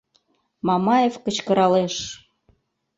— Мамаев кычкыралеш.